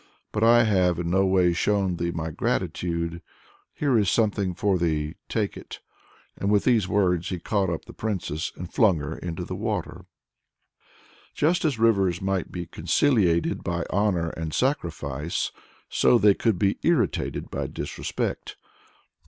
But I have in no way shown thee my gratitude. Here is somewhat for thee; take it!' And with these words he caught up the princess and flung her into the water." Just as rivers might be conciliated by honor and sacrifice, so they could be irritated by disrespect.